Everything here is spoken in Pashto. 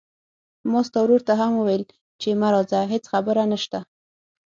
ما ستا ورور ته هم وويل چې ما راځه، څه خبره نشته.